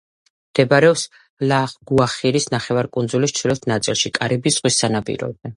მდებარეობს ლა-გუახირის ნახევარკუნძულის ჩრდილოეთ ნაწილში, კარიბის ზღვის სანაპიროზე.